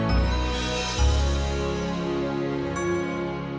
terima kasih pak